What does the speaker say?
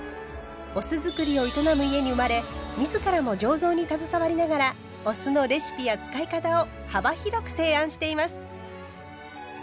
お酢造りを営む家に生まれ自らも醸造に携わりながらお酢のレシピや使い方を幅広く提案しています。